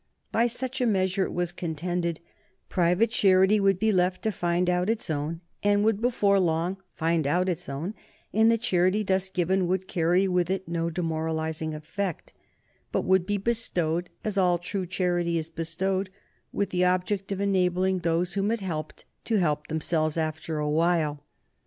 By such a measure, it was contended, private charity would be left to find out its own, and would, before long, find out its own, and the charity thus given would carry with it no demoralizing effect, but would be bestowed, as all true charity is bestowed, with the object of enabling those whom it helped to help themselves after a while.